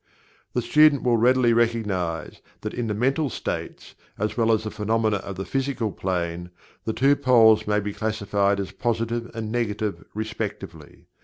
The student will readily recognize that in the mental states, as well as in the phenomena of the Physical Plane, the two poles may be classified as Positive and Negative, respectively.